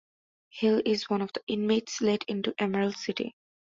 Hill is one of the inmates let into Emerald City.